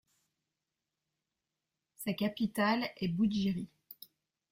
Sa capitale est Bugiri.